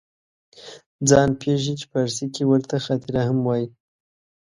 ځان پېښې چې فارسي کې ورته خاطره هم وایي